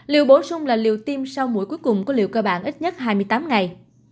liều bổ sung là liều tiêm sau mũi cuối cùng của liều cơ bản ít nhất hai mươi tám ngày